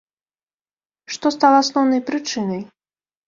Што стала асноўнай прычынай?